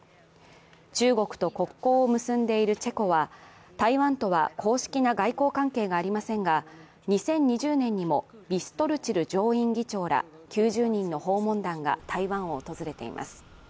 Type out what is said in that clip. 中国と国交を結んでいるチェコは、台湾とは公式な外交関係がありませんが２０２０年にもビストルチル上院議長らー９０人の訪問団が台湾を訪れています。